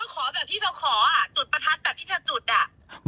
ก็ขอแบบที่เธอขอจุดประทัดแบบที่ฉันจุด